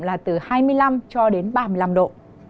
là từ hai mươi năm cho đến ba mươi năm độ